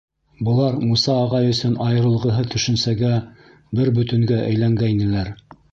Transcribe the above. Былар Муса ағай өсөн айырылғыһыҙ төшөнсәгә, бер бөтөнгә әйләнгәйнеләр.